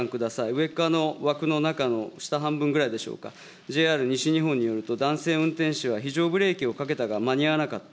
上っかわの枠の中の下半分ぐらいでしょうか、ＪＲ西日本によると、男性運転手は非常ブレーキをかけたが間に合わなかった。